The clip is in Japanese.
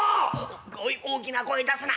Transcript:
「おい大きな声出すな。